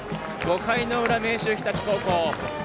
５回の裏、明秀日立高校。